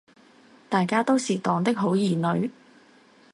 大家都是黨的好兒女